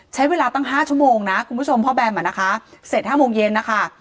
ใช้เวลาตั้ง๕ชั่วโมงนะคุณผู้ชมพ่อแบมอ่ะนะคะเสร็จ๕โมงเย็นนะคะ